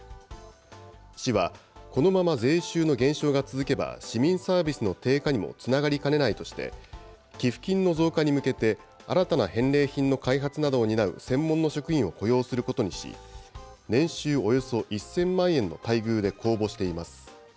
市はこのまま税収の減少が続けば、市民サービスの低下にもつながりかねないとして、寄付金の増加に向けて新たな返礼品の開発などを担う専門の職員を雇用することにし、年収およそ１０００万円の待遇で公募しています。